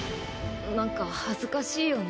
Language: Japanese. なんか恥ずかしいよね。